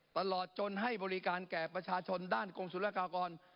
ตลอดจนให้บริการแก่ประชาชนด้านกรมศุลกากร